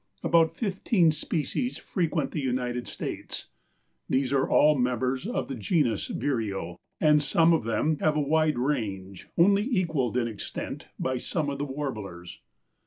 About fifteen species frequent the United States. These are all members of the genus Vireo, and some of them have a wide range, only equaled in extent by some of the warblers.